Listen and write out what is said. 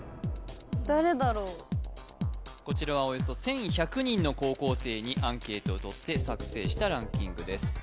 こちらはおよそ１１００人の高校生にアンケートをとって作成したランキングです